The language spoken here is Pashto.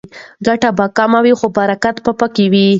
ګټه به کمه وي خو برکت به پکې وي.